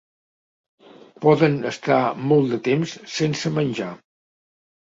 Poden estar molt de temps sense menjar.